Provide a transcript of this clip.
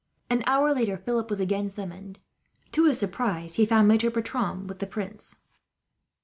An hour later, Philip was again summoned. To his surprise, he found Maitre Bertram with the prince.